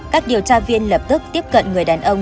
các điều tra viên lập tức tiếp cận người đàn ông